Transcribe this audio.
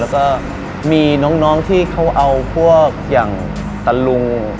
แล้วก็มีน้องที่เขาเอาพวกอย่างตะลุง